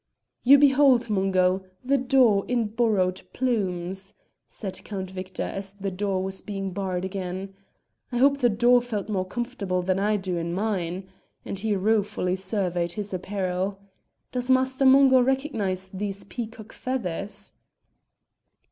"You behold, Mungo, the daw in borrowed plumes," said Count Victor as the door was being barred again. "I hope the daw felt more comfortable than I do in mine," and he ruefully surveyed his apparel. "Does Master Mungo recognise these peacock feathers?"